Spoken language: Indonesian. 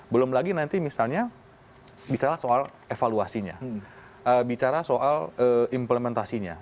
belum lagi nanti misalnya bicara soal evaluasinya bicara soal implementasinya